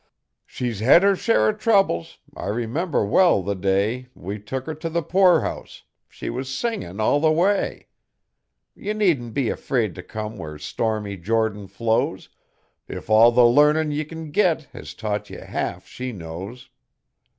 She's hed her share o' troubles; I remember well the day We took her t' the poorhouse she was singin' all the way; Ye needn't be afraid t' come where stormy Jordan flows, If all the larnin' ye can git has taught ye halfshe knows.'